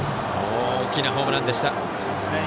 大きなホームランでした。